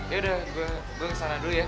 yaudah gue kesana dulu ya